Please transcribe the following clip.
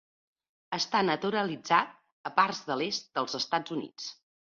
Està naturalitzat a parts de l'est dels Estats Units.